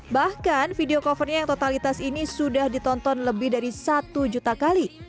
bahkan video covernya yang totalitas ini sudah ditonton lebih dari satu juta kali